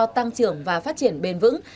tăng trưởng và phát triển bền vững